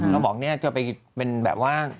เขาบอกจะไปเป็นแบบว่า